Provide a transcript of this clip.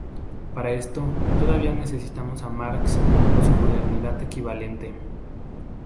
Para eso, todavía necesitamos a Marx o su modernidad equivalente".